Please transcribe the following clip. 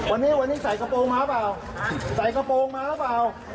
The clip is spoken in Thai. วันนี้ใส่กระโปรงมาหรือเปล่า